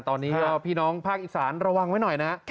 ตอนนี้ก็พี่น้องภาคอีสานระวังไว้หน่อยนะ